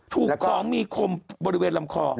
ถูกของมีคมบริเวณลำคอ